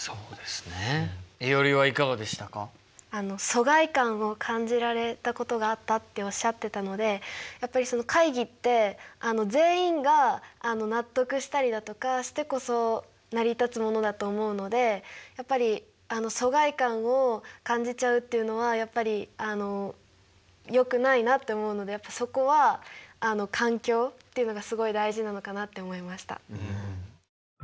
疎外感を感じられたことがあったっておっしゃってたのでやっぱりその会議って全員が納得したりだとかしてこそ成り立つものだと思うのでやっぱり疎外感を感じちゃうっていうのはやっぱりよくないなって思うのでそこは環境っていうのがすごい大事なのかなって思いました。